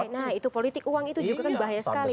nah itu politik uang itu juga kan bahaya sekali